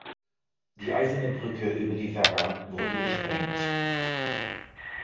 Die „Eiserne Brücke“ über die Werra wurde gesprengt.